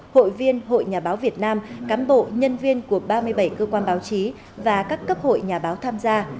hội viên hội nhà báo việt nam cám bộ nhân viên của ba mươi bảy cơ quan báo chí và các cấp hội nhà báo tham gia